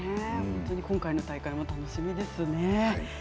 今回の大会も楽しみですね。